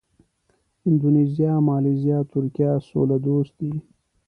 اندونیزیا، مالیزیا، ترکیه سوله دوست دي.